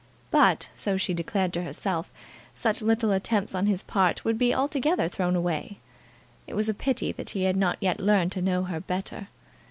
But, so she declared to herself, such little attempts on his part would be altogether thrown away. It was a pity that he had not yet learned to know her better.